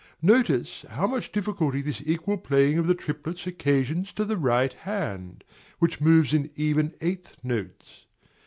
Notice how much difficulty this equal playing of the triplets occasions to the right hand, which moves in even eighth notes.